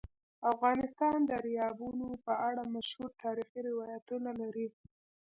افغانستان د دریابونه په اړه مشهور تاریخی روایتونه لري.